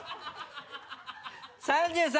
３３